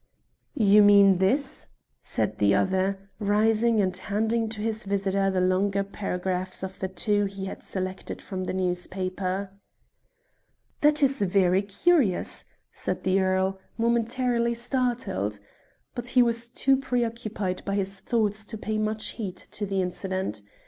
"You mean this?" said the other, rising and handing to his visitor the longer paragraph of the two he had selected from the newspaper. "That is very curious," said the earl, momentarily startled. But he was too preoccupied by his thoughts to pay much heed to the incident.